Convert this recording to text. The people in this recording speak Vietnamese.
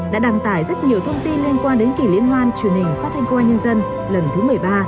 đã đăng tải rất nhiều thông tin liên quan đến kỷ liên hoan truyền hình phát thanh công an nhân dân lần thứ một mươi ba